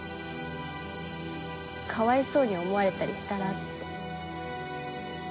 かわいそうに思われたりしたらって。